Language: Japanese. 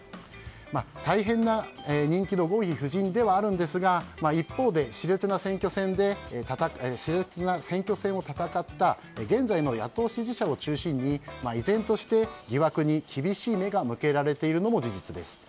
大変な人気のゴンヒ夫人ではあるんですが一方、熾烈な選挙戦を戦った現在の野党支持者を中心に依然として疑惑に厳しい目が向けられているのも事実です。